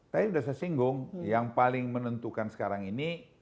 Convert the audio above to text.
saya sudah sesinggung yang paling menentukan sekarang ini